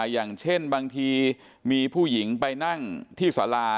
อย่างเช่นบางทีมีผู้หญิงไปนั่งที่สารา